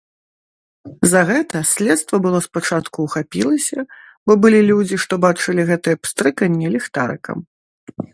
За гэта следства было спачатку ўхапілася, бо былі людзі, што бачылі гэтае пстрыканне ліхтарыкам.